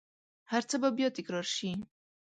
هرڅه به بیا تکرارشي